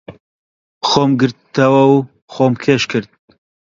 خۆم گرتەوە و خۆم کێش کرد.